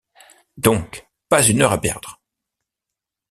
Donc, pas une heure à perdre!